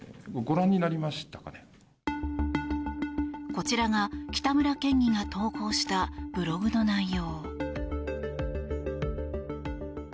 こちらが、北村県議が投稿したブログの内容。